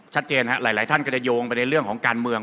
ชัดเจนหรือหลายท่านก็จะโยงไปในเรื่องของการเมือง